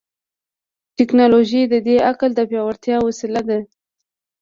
ټیکنالوژي د دې عقل د پیاوړتیا وسیله ده.